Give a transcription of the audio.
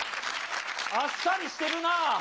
あっさりしてるな。